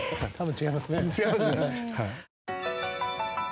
違いますね。